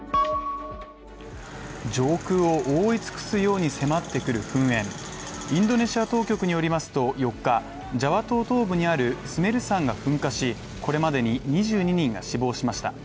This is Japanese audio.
上空を覆い尽くすように迫ってくる噴煙インドネシア当局によりますと４日、ジャワ島東部にあるスメル山が噴火し、これまでに２２人が死亡しました。